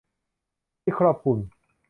ที่ครอบคลุม